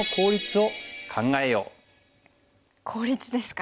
効率ですか。